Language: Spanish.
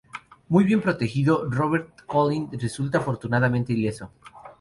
Muy bien protegido, Robert Collin resulta afortunadamente ileso.